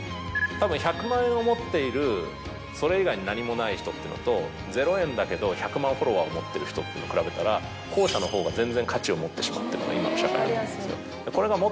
１００万円を持っているそれ以外に何もない人とゼロ円だけど１００万フォロワーを持ってる人を比べたら後者の方が全然価値を持ってしまってるのが今の社会だと思うんですよ。